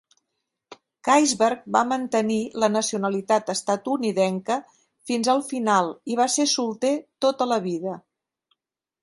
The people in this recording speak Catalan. Gaisberg va mantenir la nacionalitat estatunidenca fins al final i va ser solter tota la vida.